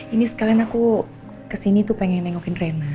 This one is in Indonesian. ini sekalian aku kesini tuh pengen nengokin rena